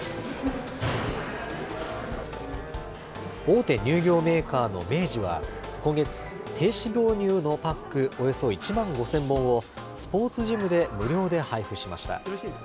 大手乳業メーカーの明治は、今月、低脂肪乳のパックおよそ１万５０００本をスポーツジムで無料で配布しました。